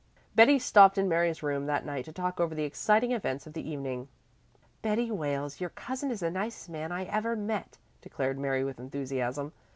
Betty stopped in Mary's room that night to talk over the exciting events of the evening. "Betty Wales, your cousin is the nicest man I ever met," declared Mary with enthusiasm.